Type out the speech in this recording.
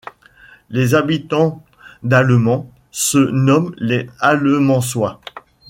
Les habitants d'Allemans se nomment les Allemansois.